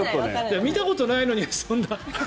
見たことないのにそんな。